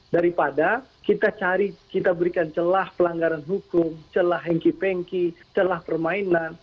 daripada kita cari kita berikan celah pelanggaran hukum celah hengkih pengkih celah permainan